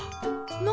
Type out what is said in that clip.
何？